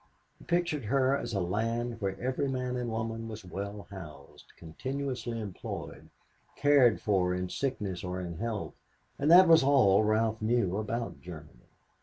He pictured her as a land where every man and woman was well housed, continuously employed, cared for in sickness or in health, and that was all Ralph knew about Germany.